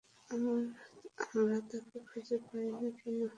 আমরা তাকে খুঁজে পাইনি, কেন?